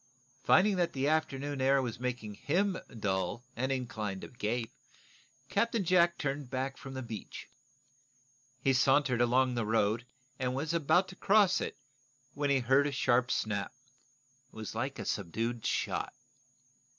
Finding that the afternoon air was making him dull and inclined to gape, Captain Jack turned back from the beach. He sauntered along the road, and was about to cross it, when he heard a sharp snap. It was like a subdued shot.